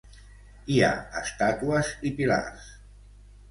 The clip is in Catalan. Hi ha estàtues i pilars.